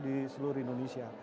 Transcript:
di seluruh indonesia